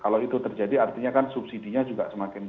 kalau itu terjadi artinya kan subsidi nya juga semakin tinggi